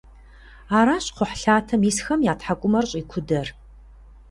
Аращ кхъухьлъатэм исхэм я тхьэкӏумэр щӏикудэр.